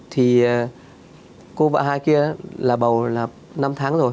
thì cô vợ hai kia là bầu là năm tháng rồi